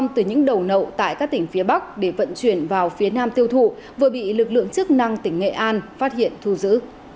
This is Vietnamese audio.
từ những đầu nậu tại các tỉnh phía bắc để vận chuyển vào phía nam tiêu thụ vừa bị lực lượng chức năng tỉnh nghệ an phát hiện thu giữ